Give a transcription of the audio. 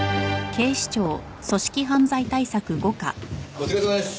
お疲れさまです。